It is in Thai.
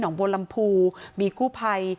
หนองบวลลำภูย์มีคู่ภัย